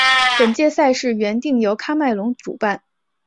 本届赛事原定由喀麦隆主办。